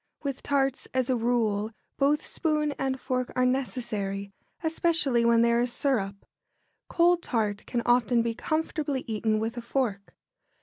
With tarts, as a rule, both spoon and fork are necessary, especially when there is syrup. Cold tart can often be comfortably eaten with a fork.